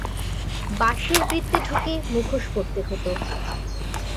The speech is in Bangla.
বাঁশের বৃত্তে ঢুকে মুখোশ পরতে হত।